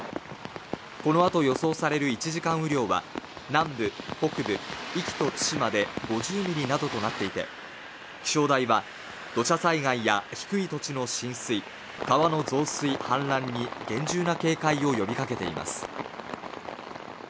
このあと予想される１時間雨量は南部・北部壱岐と対馬で５０ミリなどとなっていて気象台は土砂災害や低い土地の浸水川の増水・氾濫に厳重な警戒を呼びかけています